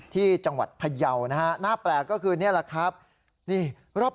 ที่จังหวัดพยาวนะฮะหน้าแปลกก็คือนี่นะครับ